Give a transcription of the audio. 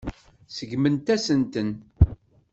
Seggment-asen-ten.